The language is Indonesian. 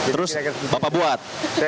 terus bapak buat